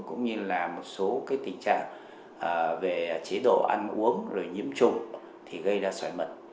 cũng như là một số tình trạng về chế độ ăn uống rồi nhiễm trùng thì gây ra sỏi mật